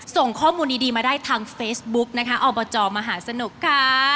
ต้องอยู่กันนะค่ะถ้าสาเปรย์ดีนะครับถ้าครับคุณผู้ชมนะคะ